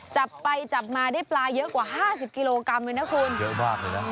จับไปจับมาได้ปลาเยอะกว่าห้าสิบกิโลกรัมเลยนะคุณเยอะมากเลยนะ